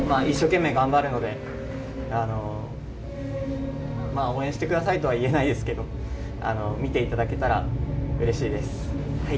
一生懸命頑張るので、応援してくださいとは言えないですけど、見ていただけたらうれしいです。